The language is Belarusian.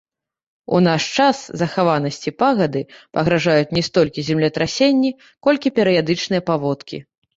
У наш час захаванасці пагады пагражаюць не столькі землетрасенні, колькі перыядычныя паводкі.